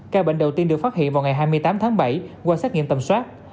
ca bệnh đầu tiên được phát hiện vào ngày hai mươi tám tháng bảy qua xét nghiệm tầm soát